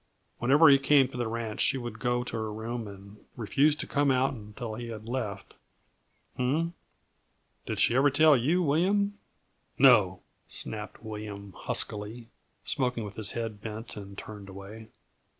Whenever he came to the ranch she would go to her room and refuse to come out until he had left. H m m! Did she ever tell you, William?" "No," snapped William huskily, smoking with his head bent and turned away.